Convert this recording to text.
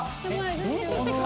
練習してきた？